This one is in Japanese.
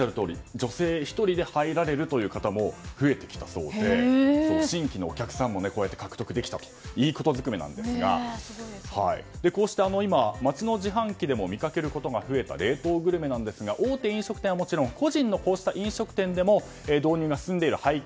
女性１人で入られるという方も増えてきたそうで新規のお客さんも獲得できたといいこと尽くめなんですがこうして街の自販機でも見かけることが増えた冷凍グルメなんですが大手飲食店はもちろん個人の飲食店でも導入が進んでいる背景